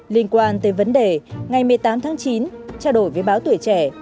liên quan tới vấn đề ngày một mươi tám tháng chín trao đổi với báo tuổi trẻ